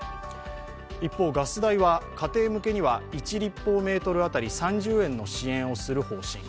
一方、ガス代は家庭向けには１立方メートル当たり３０円支援する方針。